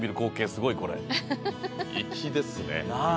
すごいこれ粋ですねなぁ！